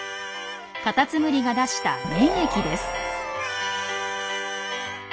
カタツムリが出した「粘液」です。